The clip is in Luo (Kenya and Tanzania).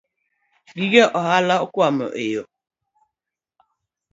Gige ohala okwamo eyo